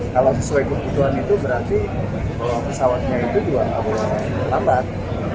kalau sesuai kebutuhan itu berarti pesawatnya itu juga tidak boleh terlambat